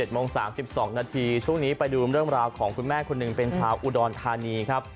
โมง๓๒นาทีช่วงนี้ไปดูเรื่องราวของคุณแม่คนหนึ่งเป็นชาวอุดรธานีครับ